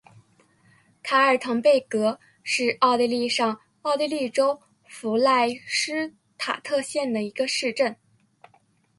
卡尔滕贝格是奥地利上奥地利州弗赖施塔特县的一个市镇。